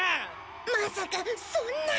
まさかそんな。